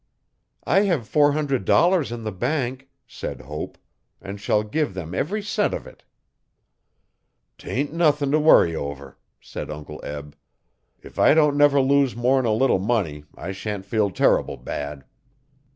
'I have four hundred dollars in the bank,' said Hope, 'and shall give them every cent of it. 'Tain' nuthin'if worry over,' said Uncle Eb. 'If I don' never lose more'n a little money I shan't feel terrible bad.